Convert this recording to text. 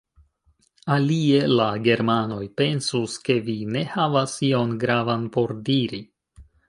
Alie la germanoj pensus ke vi ne havas ion gravan por diri!